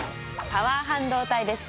パワー半導体です。